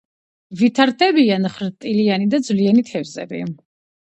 ვითარდებიან ხრტილიანი და ძვლიანი თევზები.